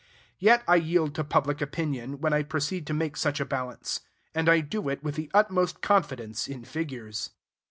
Yet I yield to public opinion, when I proceed to make such a balance; and I do it with the utmost confidence in figures.